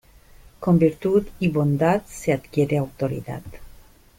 Con virtud y bondad se adquiere autoridad.